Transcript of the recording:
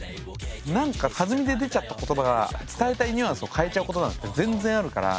なんか弾みで出ちゃった言葉が伝えたいニュアンスを変えちゃうことなんて全然あるから。